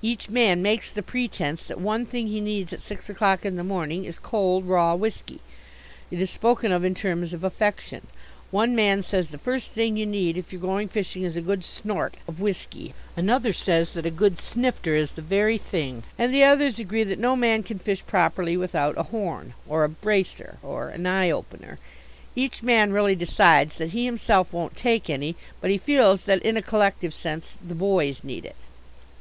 Each man makes the pretence that one thing he needs at six o'clock in the morning is cold raw whisky. It is spoken of in terms of affection. One man says the first thing you need if you're going fishing is a good "snort" of whisky; another says that a good "snifter" is the very thing; and the others agree that no man can fish properly without "a horn," or a "bracer" or an "eye opener." Each man really decides that he himself won't take any. But he feels that, in a collective sense, the "boys" need it.